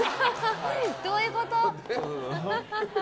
どういうこと？